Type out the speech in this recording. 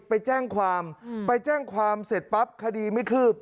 ไปแจ้งความไปแจ้งความเสร็จปั๊บคดีไม่คืบ